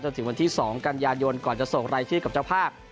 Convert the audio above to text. ถึงวันที่๒กันยายนก่อนจะส่งรายชื่อกับเจ้าภาพ